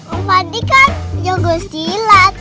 om pandi kan jago silat